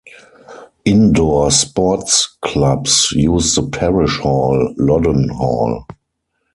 Indoor sports clubs use the parish hall, Loddon Hall.